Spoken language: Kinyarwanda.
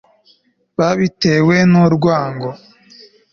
babitewe n'urwango